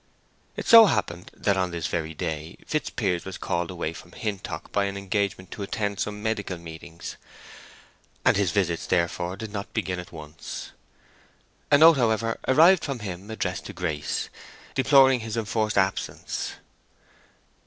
It so happened that on this very day Fitzpiers was called away from Hintock by an engagement to attend some medical meetings, and his visits, therefore, did not begin at once. A note, however, arrived from him addressed to Grace, deploring his enforced absence.